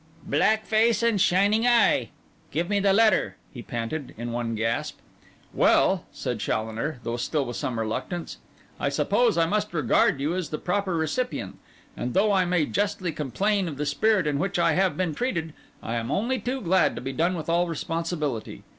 '"Black face and shining eye"—give me the letter,' he panted, in one gasp. 'Well,' said Challoner, though still with some reluctance, 'I suppose I must regard you as the proper recipient; and though I may justly complain of the spirit in which I have been treated, I am only too glad to be done with all responsibility.